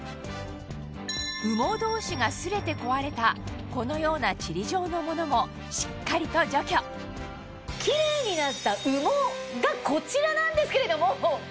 羽毛同士が擦れて壊れたこのようなちり状のものもしっかりと除去キレイになった羽毛がこちらなんですけれども。